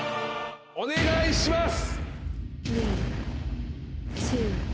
お願いします。